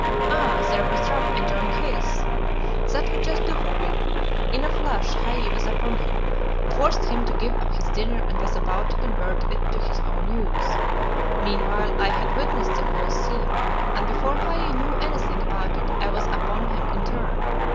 Ah! there was Rap enjoying his that would just do for him. In a flash Hai was upon him, forced him to give up his dinner, and was about to convert it to his own use. Meanwhile I had witnessed the whole scene, and before Hai knew anything about it, I was upon him in turn.